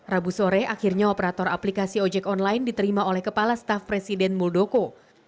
rabu sore akhirnya operator aplikasi ojek online diterima oleh kepala staf presiden muldoko